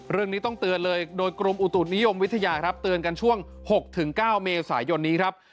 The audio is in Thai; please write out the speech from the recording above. เรื่องนี้ต้องเตือนเลยโดยกรมอุตุนิยมวิทยาครับเตือนกันช่วง๖๙เมษายนนี้ครับ